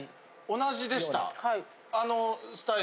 同じでした。